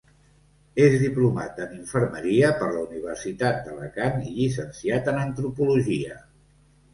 És diplomat en infermeria per la Universitat d'Alacant i llicenciat en antropologia.